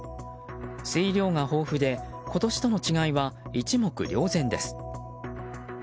水量が豊富で今年との違いは一目瞭然です。